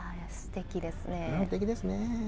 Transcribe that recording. すてきですね。